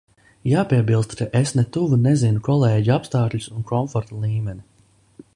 Jāpiebilst, ka es ne tuvu nezinu kolēģu apstākļus un komforta līmeni.